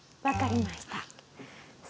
分かりました。